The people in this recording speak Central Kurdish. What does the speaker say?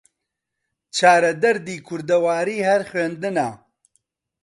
چارە دەردی کوردەواری هەر خوێندنە